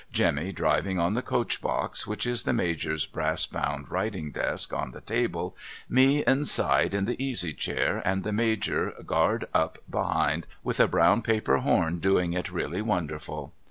Jemmy driving on the coach box which is the Major's brass bound writing desk on the table, me inside in the easy chair and the Major Guard up behind with a brown paper horn doing it really wonderful.